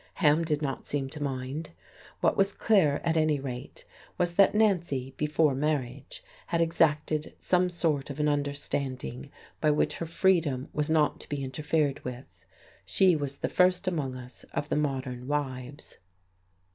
Ham did not seem to mind. What was clear, at any rate, was that Nancy, before marriage, had exacted some sort of an understanding by which her "freedom" was not to be interfered with. She was the first among us of the "modern wives."